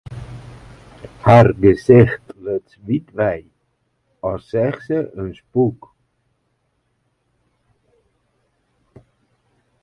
Har gesicht luts wyt wei, as seach se in spûk.